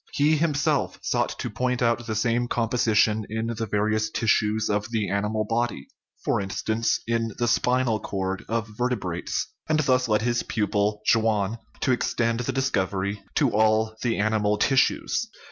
He himself sought to point out the same composition in various tissues of the animal body for instance, in the spinal cord of vertebrates and thus led his pupil, Schwann, to extend the discovery to all the animal tis sues.